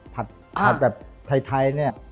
ผัดแบบไทยเนี่ย